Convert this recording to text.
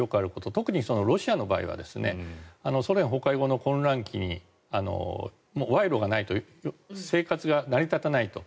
特にロシアの場合はソ連崩壊後の混乱期賄賂がないと生活が成り立たないと。